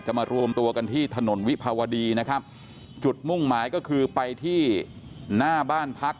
มารวมตัวกันที่ถนนวิภาวดีนะครับจุดมุ่งหมายก็คือไปที่หน้าบ้านพัก